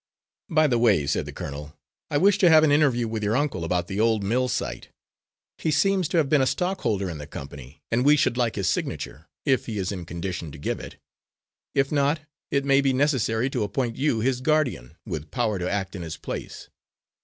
"By the way," said the colonel, "I wish to have an interview with your uncle, about the old mill site. He seems to have been a stockholder in the company, and we should like his signature, if he is in condition to give it. If not, it may be necessary to appoint you his guardian, with power to act in his place."